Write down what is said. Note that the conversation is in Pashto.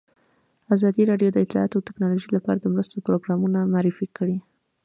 ازادي راډیو د اطلاعاتی تکنالوژي لپاره د مرستو پروګرامونه معرفي کړي.